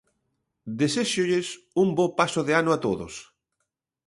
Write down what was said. Deséxolles un bo paso de ano a todos.